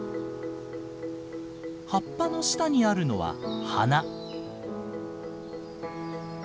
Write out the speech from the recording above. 葉っぱの下にあるのは花。